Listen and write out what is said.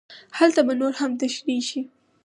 هلته به نور هم تشرېح شي.